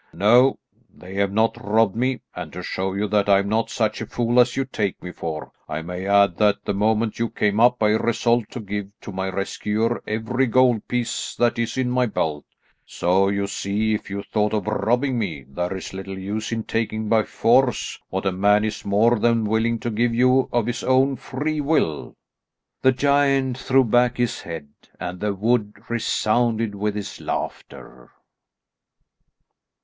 "No, they have not robbed me, and to show you that I am not such a fool as you take me for, I may add that the moment you came up I resolved to give to my rescuer every gold piece that is in my belt. So you see, if you thought of robbing me, there's little use in taking by force what a man is more than willing to give you of his own free will." The giant threw back his head and the wood resounded with his laughter.